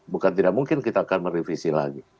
bukan tidak mungkin kita akan merevisi lagi